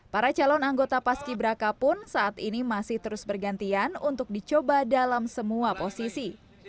para calon anggota paski braka pun saat ini masih terus bergantian untuk dicoba dalam semua posisi